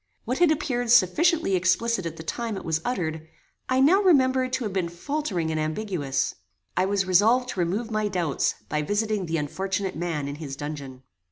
What had appeared sufficiently explicit at the time it was uttered, I now remembered to have been faltering and ambiguous. I was resolved to remove my doubts, by visiting the unfortunate man in his dungeon.